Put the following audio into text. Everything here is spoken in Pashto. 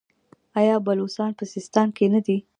آیا بلوڅان په سیستان کې نه دي؟